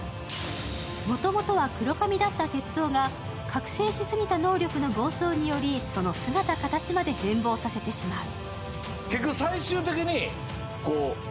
もともとは黒髪だった鉄雄が覚醒しすぎた能力の暴走によりその姿かたちまで変貌させてしまう。